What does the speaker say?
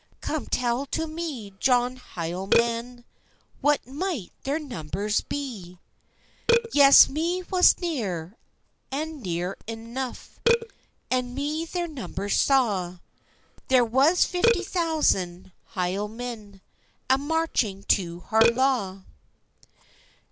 Come, tell to me, John Hielanman, What micht their numbers be?" "Yes, me was near, an near eneuch, An me their numbers saw; There was fifty thousand Hielanmen A marching to Harlaw."